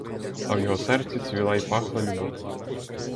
А в його серці цвіла й пахла любов.